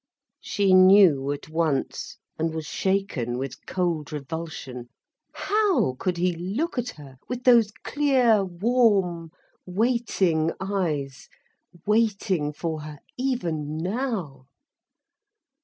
She knew at once, and was shaken with cold revulsion. How could he look at her with those clear, warm, waiting eyes, waiting for her, even now?